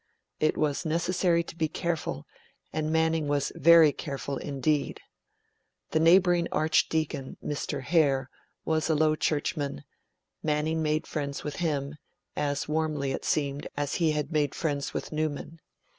It was necessary to be careful, and Manning was very careful indeed. The neighbouring Archdeacon, Mr. Hare, was a low churchman; Manning made friends with him, as warmly, it seemed, as he had made friends with Newman.